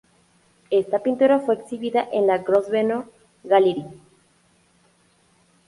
Esta pintura fue exhibida en la Grosvenor Gallery.